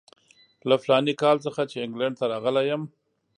له فلاني کال څخه چې انګلینډ ته راغلی یم.